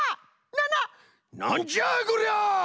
なななんじゃこりゃあ！？